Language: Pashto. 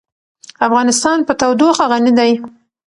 افغانستان په تودوخه غني دی.